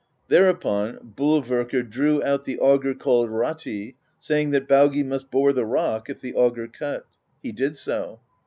Thereupon Bolverkr drew out the auger called Rati, saying that Baugi must bore the rock, if the auger cut. He did so.